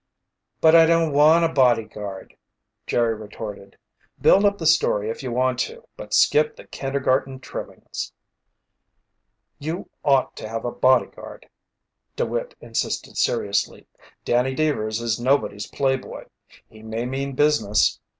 "But I don't want a bodyguard," Jerry retorted. "Build up the story if you want to, but skip the kindergarten trimmings." "You ought to have a bodyguard," DeWitt insisted seriously. "Danny Deevers is nobody's playboy. He may mean business.